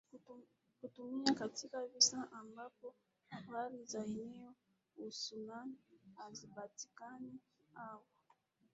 kutumiwa katika visa ambapo habari za eneo hususan hazipatikani au